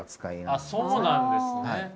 そうなんですね。